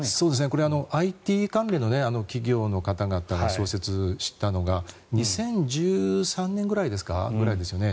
これＩＴ関連の企業の方々が創設したのが２０１３年ぐらいですよね。